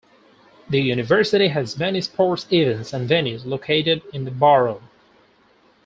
The university has many sports events and venues located in the borough.